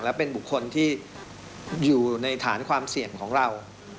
และเป็นบุคคลที่อยู่ในฐานความเสี่ยงของเรา